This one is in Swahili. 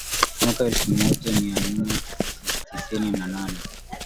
mwaka elfu moja mia nne tisini na nane